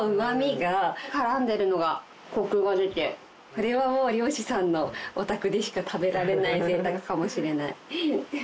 これはもう漁師さんのお宅でしか食べられない贅沢かもしれない。